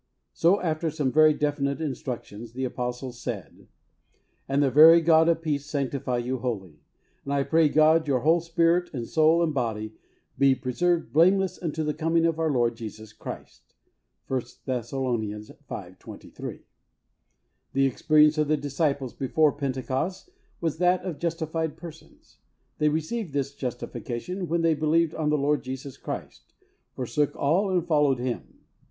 So, after some very definite instructions, the apostle said: "And the very God of peace sanctify you wholly ; and I pray God your whole spirit and soul and body be preserved blameless unto the coming of our Lord Jesus Christ " (i Thess. V. 23). The experience of the disciples before Pentecost was that of justified persons. They received this justification when they believed on the Lord Jesus Christ, forsook all and followed Him.